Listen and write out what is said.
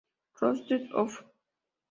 Clothes Off!!